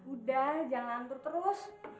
udah jangan lantur terus